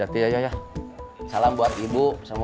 spesial atau tidak